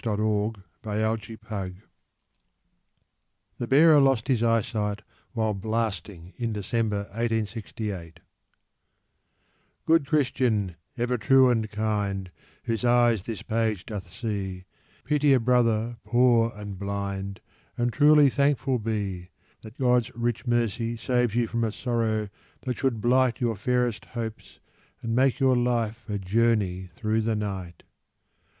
•• 3 PRICE: WHAT YOU PLEASE ©•• The Bearer Lost His Eyesight While Blasting, in December, 1868. ••• Good Christian, ever true and kind, AVhoso eyes this page doth see, Pity a brother, poor and blind, And truly thankful be— That God's rieh mercy saves you from A sorrow that should blight Your fairest hopes and make your life A journey through the night.